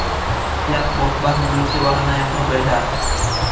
Tiap Boohbah memiliki warna yang berbeda.